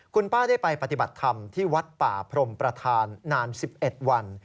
คุณป้าได้ไปปฏิบัติธรรมที่วัดป่าพรมประธานนาน๑๑วัน